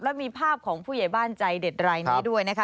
แล้วมีภาพของผู้ใหญ่บ้านใจเด็ดรายนี้ด้วยนะคะ